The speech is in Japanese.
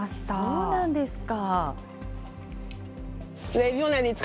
そうなんですか。